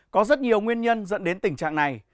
có rất nhiều nguyên nhân dẫn đến tình trạng này